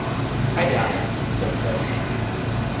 "I doubt it'," said Ted.